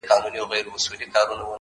• هم د پېغلوټو هم جینکیو ,